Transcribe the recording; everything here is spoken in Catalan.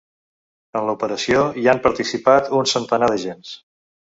En l’operació hi han participat un centenar d’agents.